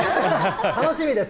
楽しみです。